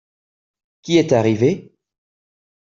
Qui est arrivé ?